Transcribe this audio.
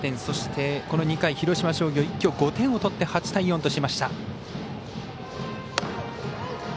そして、この２回広島商業、一挙５点を取って８対４としました。